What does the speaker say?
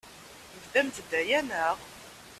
Tebdamt-d aya, naɣ?